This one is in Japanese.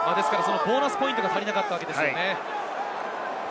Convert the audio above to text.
ボーナスポイントが足りなかったわけですよね。